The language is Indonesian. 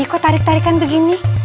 kok tarik tarikan begini